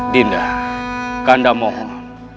dinda kanda mohon